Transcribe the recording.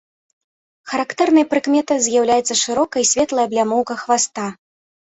Характэрнай прыкметай з'яўляецца шырокая і светлая аблямоўка хваста.